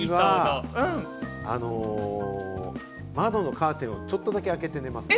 寝る時は窓のカーテンをちょっとだけ開けて寝ますね。